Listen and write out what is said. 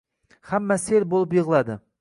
Hamma sel bo`lib yig`ladi